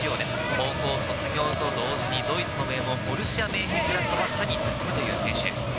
高校卒業と同時に、ドイツの名門、ボルシアメンヘングラッドバッハに進むという選手。